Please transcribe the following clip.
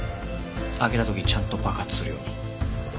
開けた時ちゃんと爆発するように。